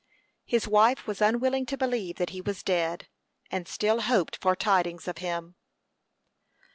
His wife was unwilling to believe that he was dead, and still hoped for tidings of him.